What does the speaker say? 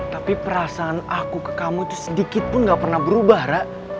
tapi perasaan aku ke kamu itu sedikitpun gak pernah berubah ra